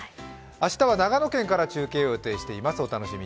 明日は長野県から中継を予定しております。